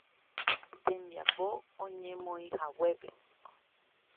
Tembiapo oñemoĩhaguépe.